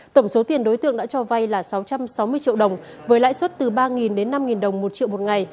tổng số tiền đối tượng đã cho vay là sáu trăm sáu mươi triệu đồng với lãi suất từ ba đến năm đồng một triệu một ngày